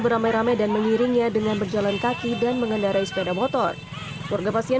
beramai ramai dan mengiringnya dengan berjalan kaki dan mengendarai sepeda motor warga pasien